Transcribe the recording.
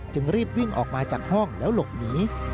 รีบวิ่งออกมาจากห้องแล้วหลบหนี